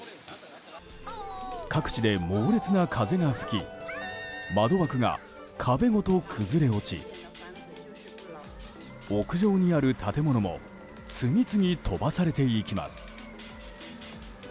各地で猛烈な風が吹き窓枠が壁ごと崩れ落ち屋上にある建物も次々飛ばされていきます。